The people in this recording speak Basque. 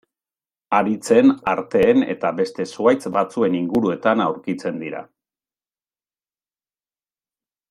Haritzen, arteen eta beste zuhaitz batzuen inguruetan aurkitzen dira.